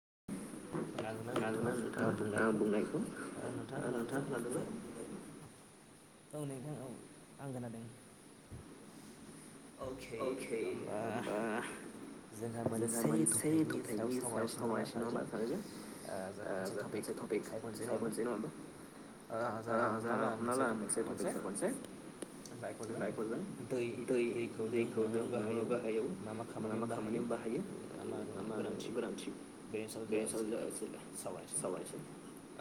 [unintelligible] खोनादोंना नोंथांङा आं बुंनायखौ नोंथांङा खोनादोंना? औ नोंथां औ आं खोनादों। अके होमबा जोंहा मोनसे टपिकनि सायाव सावरायसै नंङा होनबा सानैजों ओ जोंहा मोनसे टपिक सायख'नोसै नंङा होमबा? ओ जोहा हमना ला मोनसे टपिक साखनसै जायखौ जों दै दैखौ जों मा मा गाहायाव मा मा खामानियाव बाहायो आरो मा मा गोनांथि? बेनि सायाव जों एसे सावरायनोसै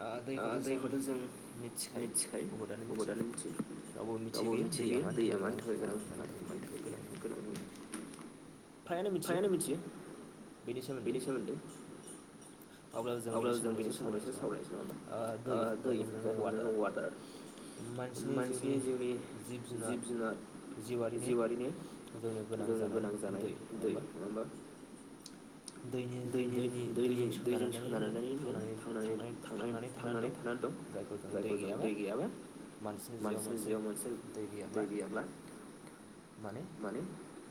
आ दैखौथ' जों मिथिखायो बहुदानो मिथियो रावबो मिथियै गैया दैया मानि थाखाय गोनां आरो मानि थाखाय [unintelligible] फ्राइयानो मिथियो बेनि सोमोन्दै अब्ला जों बेनि सोमोन्दै एसे सावरायसै नंङा होनबा अ दै जायखौ जों वाटार मानसिनि जिउनि जिब जुनाद जिउआरिनो जोंनो गोनां जानाय दै नंङा होमबा दैनि दैनि दैजों सोनारनै थांनानै थांनानै थांनानै थानानै दं जायखौ जों दै गैयाबा मानसिनि जिउआव मोनसे दै गैयाब्ला माने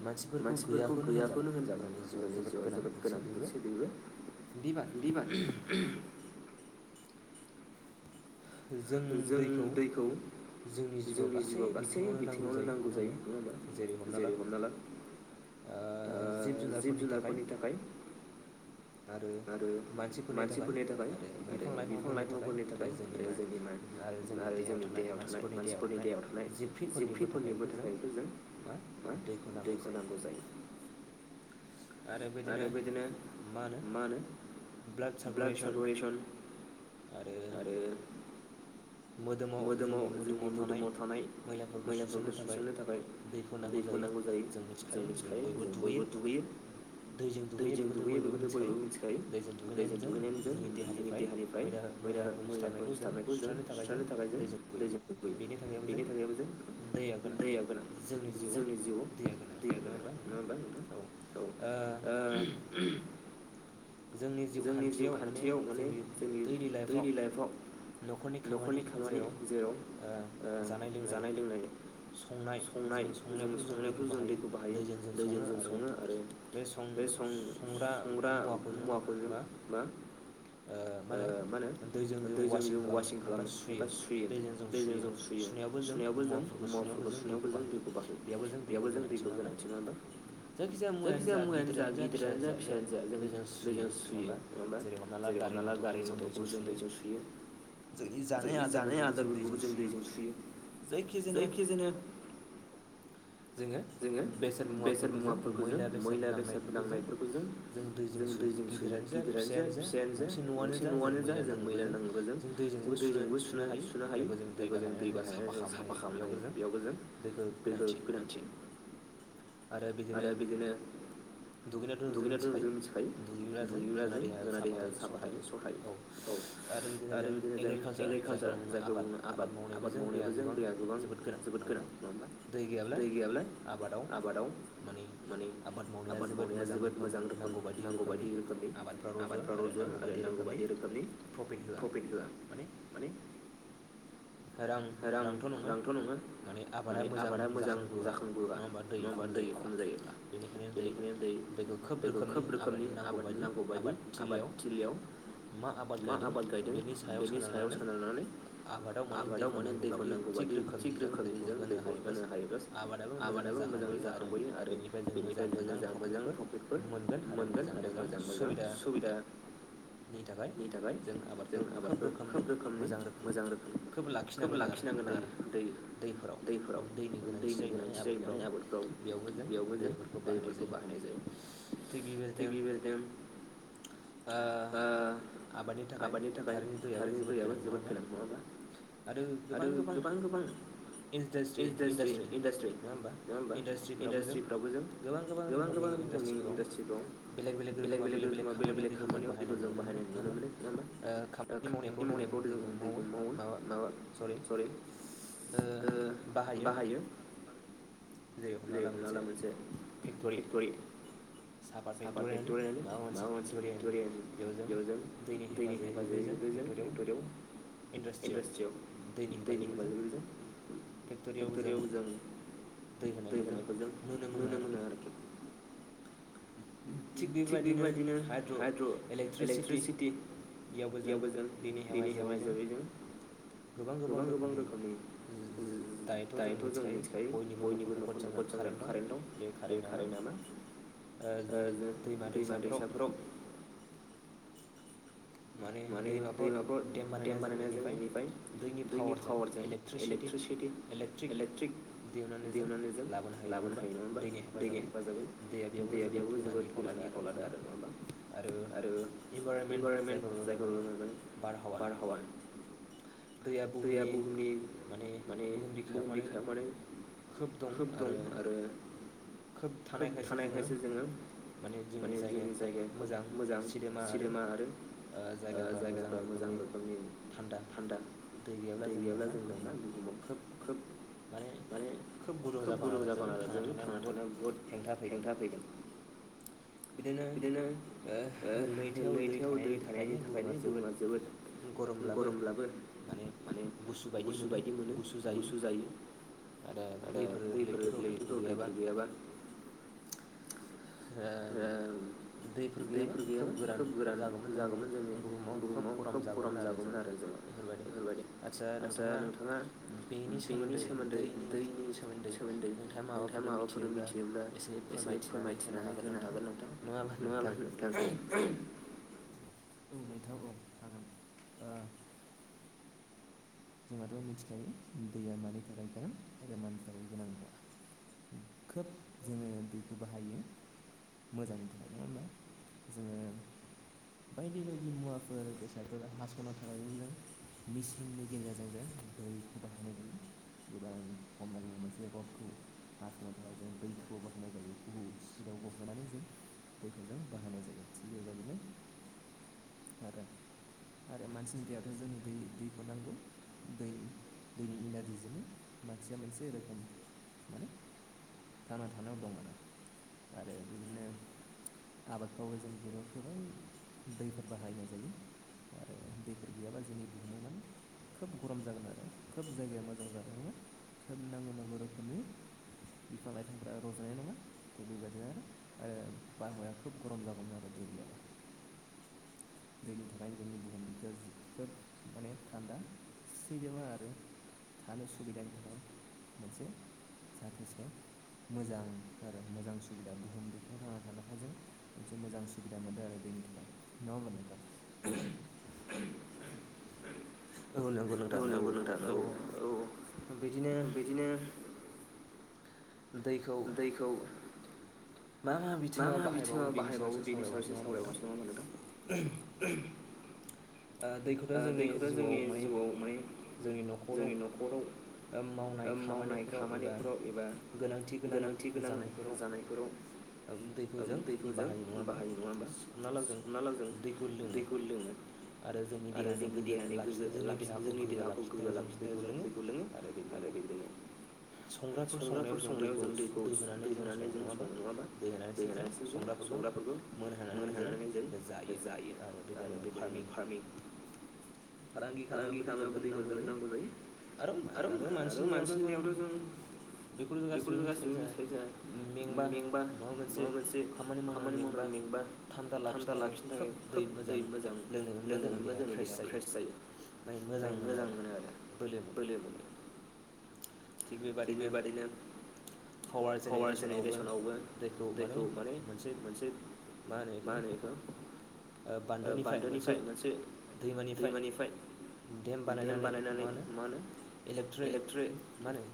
मानसिफोरखौ गैयाखौनो होनजागोन जोंनि जिउआव जोबोद गोनां मोनसे बेबो बिबान बिबान जों दैखौ जोंनि जिउआव गासै बिथिंङावनो नांगौ जायो नंङा होमबा जेरै हमना ला आ जिब जुनारफोरनि थाखाय आरो मानसिफोरनि थाखाय आरो बिफां लाइफांफोरनि थाखाय आरो जोंनि मा आरो जोंनि देहायाव थानाय मानसिफोरनि देहायाव थानाय जिबख्रिफोरनिबो थाखाय बेखौ जों बा दैखौ नांगौ जायो आरो बिदिनो मा होनो ब्लाड सारकुलेसन आरो मोदोमाव जोंनि मोदोमाव थानाय मैलाफोरखौ सुसारनो थाखाय दैखौ नांगौ जायो। जों मिथिखायो जों बयबो दुगैयो दैजों दुगैयो बेखौथ' बयबाबो मिथिखायो दैजों दुगैनानै जों जोंनि देहानिफ्राय मैला नां मैलाफोर सिथाबनायखौ जों सुस्रांनो थाखाय दैजों दुगैयो बेनि थाखायबो जों दैया गोनां जोंनि जिउआव। दैया गोनां नङा होमबा नोंथां औ आ जोंनि जिउ खान्थियाव माने जोंनि दैलि लाइफआव न'खरनि खामानि जेराव ओ जानाय लोंनाय संनाय जों संनायावखौ जों दैखौ बाहायो दैजों जों सङो आरो बे सं संग्रा मुवाखौ जो मा अ मा होनो दैजों जों वासिं खालामो एबा सुयो बेजों जों सुयो सुनायावबो जों मुवाफोरखौ सुनायावबो जों दैखौ बाहायो। बेयावबो जों दैखौ गोनांथि [unintelligible] जायखिजाया मुवायानो जा गिदिरायानो जा फिसायानो जा जों सुयो नङा होनबा जेरै हमना ला गारि मथरखौबो जों दै जों सुयो। जोंनि जानाय आदारफोरखौबो जों दैजों सुयो जायखिजानो जोङो बेसाद मुवाफोरखौ जों मैला बेसाद नांनायफोरखौ जों जों दै जों सुयो गिदिरानो जा फिसानो जा गंसे न'आनो जा जों मैला नाङोबा जों जों दैजोंबो सु सुनो सुनो हायो जायखौ जों दै बाहायनानै जों साफा खालामनो हायो बेयावबो जों दैखौ गोनांथि आरो बिदिनो दुगैनायाथ' जों मिथिखायो दुगैब्ला जों जोंना देहाया साहाफाथायो सहायो। आरो बिदिनो जों एग्रिकालसार जायखौ बुंनो आबाद आबाद मावनायाबो जों दैया गोबां जोबोद गोनां नङा होमबा दै गैयाब्ला आबादाव माने आबाद मावनाया जोबोद मोजां रोखोम नांगौ बायदि रोखोमनि आबादफ्रा रज'वा आरो नांगौ बायदि रोखोमनि प्रफिट होआ माने [unintelligible] रां रांथ' नङा माने आबादा मोजां जाखांबोआ नङा होमबा? दै खम जायोब्ला बेनिखायनो दै दैखौ खोब रोखोमनि आबाद नांगौ बायदि आ बादथिलियाव मा आबाद गायदों बेनि सायाव सोनारनानै आबाद दाव मानि दैखौ नांगौ बादि थिग रोखोमनि जों दैखौ होनो हायोब्ला आबादाबो मोजां जाखांबोयो आरो बेनिफ्राय जों मोजां मोजां प्रफिटफोर मोनगोन आरो मोजां मोजां सु सुबिदा नि थाखाय जों आबादखौ खोब रोखोमनि मोजां रोखोमनि खोब लाखिनांगोन आरो दै दैफोराव दैनि गोनांथि जायोनालाय आबाद फोरावबो बेयावबो जों दैफोरखौ बाहायनाय जायो। थिग बिबायदिनो आ आबादनि थाखाय थारैनि दैयाबो जोबोद गोनां नङा होमबा? आरो गोबां गोबां इासदासट्रि इन्डास्ट्रि नङा होमबा इन्डासट्रिफ्रावबो जों गोबां गोबां रोखोमनि इन्डासट्रिफ्राव बेलेग बेलेग रोखोमाव बेलेग बेलेग खामानियाव दैखौ जों बाहायनाय नुनो मोनो नङा होमा आ खामानि मावनायफ्राव जों [unintelligible] माबा सरि ओ बाहायो जे हमना ला मोनसे फेक्टरि सापाद फेक्ट'रियानो होन माबा मोनसे फेक्टरियानो बेयावजों दैनि हेफाजाबै फेक्ट'रियाव इन्डास्ट्रियाव दैनि हेफाजाब जों फेक्ट'रियाव जों दै होनायफोरजों नुनो मोनो आरोखि। थिग बेबायदिनो हाइद्र' इलेक्ट्रिसिटि इयावबो जों बेनि हेवा हिसाबै जों गोबां गोबां रोखोमनि दायोथ' जों मिथिखायो बयनि गुबुन न'खर न'खर जोंहा कारेन्ट दं बे कारेन्ट मा नो दैमा दैसाफोराव माने दैमाफोर देम बानायनाय जों बेनिफ्राय दैनि पावारजों इलेक्ट्रिसि इलेक्ट्रिक दिहुनानै जों लाबोनो हायो नङा होमबा दैनि हेफाजाबै दैया बेयावबो जोबोद गोदान। बिफाव लादों आरो नङाबा आरो इनभाररमेन्ट जायखौ नुनो जों बारहावा दैया बुहुमनि माने बुहुम बिखायाव माने खोब दं आरो खोब थानायखायसो जोङो माने जोंनि जायगाया खोब मोजां सिनदोमा आरो जायगाफ्रा मोजां रोखोमनि थान्दा। दै गैयाब्ला जों [unintelligible] ना बुहुमाव खोब माने खोब गुदुं जागोन आरो जों थांना थानायाव बुहुद हेंथा फैगोन। बिदिनो ओ लैथोआव दै थानायनि था थाखायनो बुहुमा जोबोद गरमब्लाबो माने गुसु बायदि मोनो गुसु जायो। आरो दैफोर लैथोफोराव दैफोर गैयाबा ओ दैफोर गैयाबा खोब गोरान जागौमोन जोंनि बुहुमाव खोब गरम जागौमोन आरो जोङो बेफोरबायदि आदसा नोंथाङा बेनि सोमोन्दै दैनि सोमोन्दै नोंथाङा माबाफोर मिथियोब्ला एसे फोरमायथिनानै होनो हागोन नोंथां नङा ओमबा‌ नोंथां औ नोंथां औ हागोन ओ जोंहाथ' मिथिखायो दैया मानि थाखाय गोनां आरो मानि थाखाय गोनांथा खोब जोङो दैखौ बाहायो। मोजांनि थाखाय नङा ओमबा जोङो बायदि बायदि मुवाफोर बेसादफोर हास'ना थानायजों जों मिसिंनि। [unintelligible] जों दैखौ बाहायनाय जायो गोबां खमना मोनसे रडखौ हासुना [unintelligible] जों दैखौबो बाहायनाय जायो बहुद स्पिदाव गहोनानै जों दैखौ जों बाहायनाय जागोन थिग बेबायदिनो आरो आरो मानसिनि देहायावथ' जों दै दैखौ नांगौ। दै दैनि इनारजिजोंनो मानसिया मोनसे रोखोम माने थांना थानायाव दं आरो आरो बिदिनो आबाद फ्रावबो जों [unintelligible] गोबां दैफोर बाहायनाय जायो। आरो दैफोर गैयाब्ला जोंनि बुहुमाव माने खोब गरम जागोन आरो खोब जायगाया मोजां जागोन नङा खोब नांगौ नांगौ रोखोमनि बिफां लाइफांफ्रा रज'नाय नङा। थिग बेबायदिनो आरो बारहावाया खोब गरम जागौमोन आरो दै गोयाबा दैनि थाखाय जोंनि बुहुम बिखाया खोब माने थान्दा सिदोमा आरो थानो सुबिदानि थाखाय मोनसे जाथोसे मोजां आरो मोजां सुबिदा बुहुम बिखायाव थांना थानो थाखाय जों मोनसे मोजां सुबिदा मोनदों आरो नोंथां नङा ओनबा नोंथां? [inaudible] औ नंगौ नोंथा औ औ बिदिनो। दैखौ मा मा बिथिङाव बाहायबावो बेनि सायाव एसे सावरायबावसै नामा नोंथां? ओ दैखौथ' जोंनि जिउआव माने जोंनि न'खराव ओक्षमावनाय खामानिफोराव एबा गोनांथि गोनां जानायफोराव दैखौ जों बाहायो नङाबा होमबा नोंथां हमना ला जों दैखौ लोङो जोंनि देहानि गोग्गो लाखि जोंनि देहाखौ गोग्गो लाखिनो थाखाय जों दैखौ लोङो आरो बिदिनो [inaudible] संग्राफोर संनायाव जों दैखौ दै होनानै जों सङो नङाबा दै होनानैसो जों संग्राफोर बो मोनहोनानानै जों जायो आरो बिदिनो फारमिं फालांगि खालामनायावबो जोंनो दैखौ नांगौ जायो। आरो आरो मानसिनि देहायावथ जों दैखौ जों गासैबो मिथिखायो जोंहा मेंबा माबा मोनसे खामानि मावनानै मेंबा थान्दा लाखिनो थाखाय खोब दै मोजां लोंनो मोनबा जोंनि देहाया फ्रेस जायो आमफाय मोजां मोनो आरो बोलो मोनो। थिग बेबादिनो पावार जेनेरेसनावबो दैखौ माने मोनसे मा होनो बेखौ ओ बान्दोनिफ्राय मोनसे दैमानिफ्राय देम बानायनानै मा होनो इलेकट्र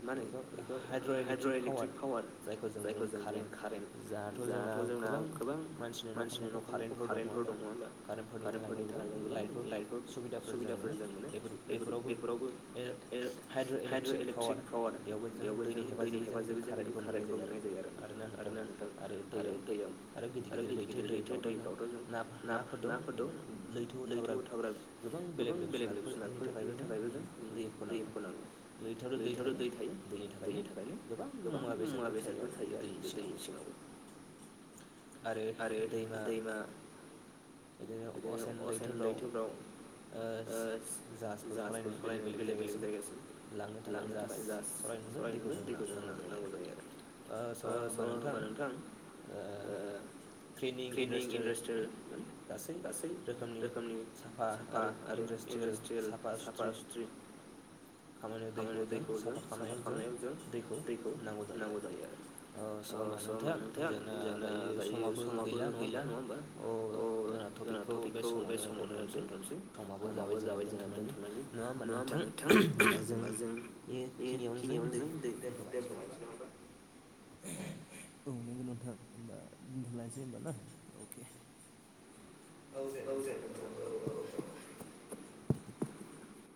मा होनो बेखौ हाइड्र' इलेकट्रिक पावार जायखौ जों बुङो कारेन्ट जाथ' जोंना गोबां मानसिनि न खर नखर कारेन्टफोर दं नङा होनबा कारेन्टफोरनि थाखाय गोबां लाइटफोर सुबिदाफोर जों मोनो बेफोर बेफोरावबो हाइड्र' इलेक्ट्रिक पावार बेयावबो जों दैनि एबा जों [unintelligible] बे कारेन्टखौ मोननाय जायो आरो आरोना नोंथां आरो दैयाव आरो गिदिर गिदिर लैथो दैफ्रावथ' जों ना नाफोर दं लैथोआवथ' हाग्रा गोबां बेलेग बेलेग जुनारफोरनि थाखायबो जों दैखौ नांगौ लैथोआवथ' दै थायो दैनि थाखायनो। गोबां मुवा बेसादफोर थायो आरो बे दैनि सिङावबो। आरो दैमा बिदिनो असेन लै थोफ्राव ओ जाहाजफोर सलायनो बेलेग बेलेग जायगासिम लांनो थाखाय जा सरायजोंबो दैखौ जोंनो नांगौ जायो आरो। ओ स' होनोमबा नोंथां ओ क्लिनिं इन्डासट्रियेल गासै रोखोमनि साफा आरो इन्डास्ट्रियेल साफा सुथ्रि खामानियाव दैखौ जों साफा खालामनायाव जों दैखौ नांगौ जायो आरो। अ स' होमबा नोंथां जोंना दायो समाबो गैला नङा होमबा अ जोंना टपिकखौ बे समावनो दोन्थ'नोसै समाबो जाबाय जोंना दोन्थ'नायनि नङा होमबा नोंथां बा जों बेखिनियावनो जों दै दोनथ'लायसै नामा औ नंगौ नों थां होनोमबा दोनथ' लायसै होमबा ना अके। औ दे नोंथां औ औ।